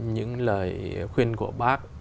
những lời khuyên của bác